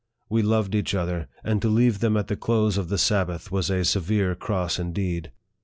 We loved each other, and to leave them at the close of the Sabbath was a severe cross kideed.